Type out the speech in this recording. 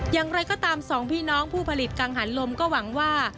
อย่างไรก็ตามสองพี่น้องผู้ผลิตกังหันลมก็หวังว่า